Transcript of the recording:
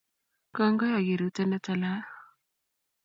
kongoi akiruten netala